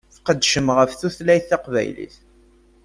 Tqeddcem ɣef tutlayt taqbaylit.